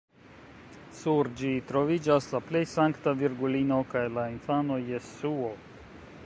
Sur ĝi troviĝas la plej Sankta Virgulino kaj la infano Jesuo.